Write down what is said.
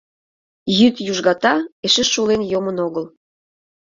Йӱд южгата эше шулен йомын огыл.